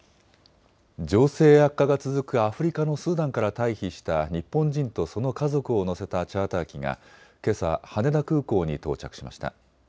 情勢悪化が続くアフリカのスーダンから退避した日本人とその家族を乗せたチャーター機がけさ、羽田空港に到着しました。